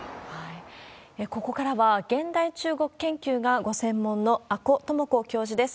ここからは、現代中国研究がご専門の阿古智子教授です。